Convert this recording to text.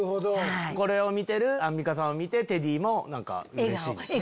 これを見てるアンミカさんを見てテディーもうれしい？